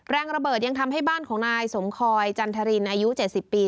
แรงระเบิดยังทำให้บ้านของนายสมคอยจันทรินอายุ๗๐ปี